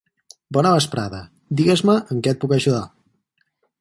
Bona vesprada, digues-me en què et puc ajudar.